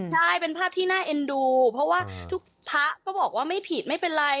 ใช่เป็นภาพที่น่าเอ็นดูเพราะว่าทุกพระก็บอกว่าไม่ผิดไม่เป็นไร